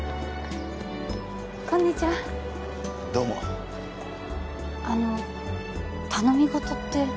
こんにちはどうもあの頼み事って？